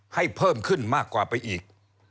เพิ่มขึ้นมากกว่าไปอีก